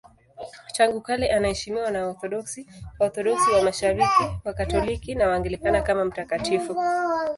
Tangu kale anaheshimiwa na Waorthodoksi, Waorthodoksi wa Mashariki, Wakatoliki na Waanglikana kama mtakatifu.